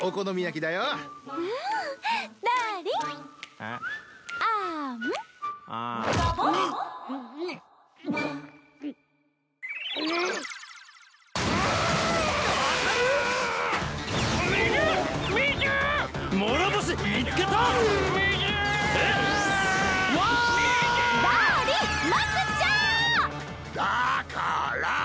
だから！